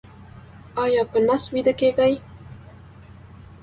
ایا په نس ویده کیږئ؟